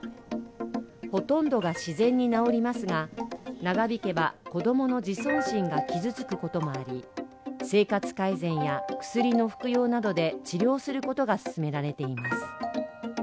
ほとんどが自然に治りますが、長引けば子供の自尊心が傷つくこともあり、生活改善や薬の服用などで治療することが勧められています。